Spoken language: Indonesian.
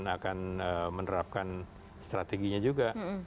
akan menerapkan strateginya juga